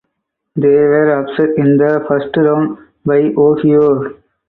They were upset in the First Round by Ohio.